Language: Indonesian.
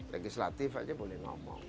legislatif aja boleh ngomong